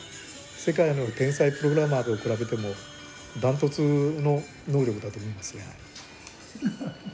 世界の天才プログラマーと比べても断トツの能力だと思いますね。